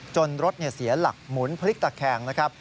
รถเสียหลักหมุนพลิกตะแคงนะครับ